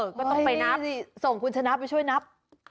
ก็ต้องไปนับส่งคุณชนะไปช่วยนับ